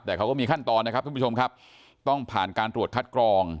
แต่เขาก็มีขั้นตอนนะครับทุกผู้ชมครับต้องผ่านการตรวจคัดกรอง